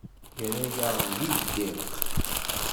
Yerra-yaɣ di ddiq.